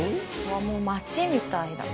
もう町みたいだ。